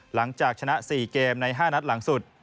หลังจากชนะ๔เกมใน๕นัดหลังสุด